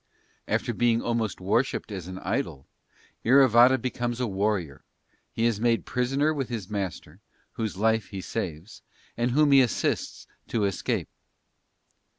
After being almost worshipped as an idol, Iravata becomes a warrior; he is made prisoner with his master, whose life he saves, and whom he assists to escape.